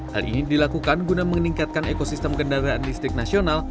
hal ini dilakukan guna meningkatkan ekosistem kendaraan listrik nasional